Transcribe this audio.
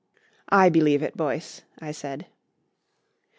"I believe it, Boyce," I said.